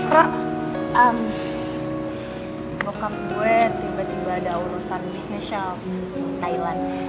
rara bokap gue tiba tiba ada urusan bisnisnya thailand